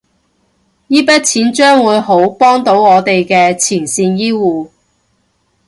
依筆錢將會好幫到我哋嘅前線醫護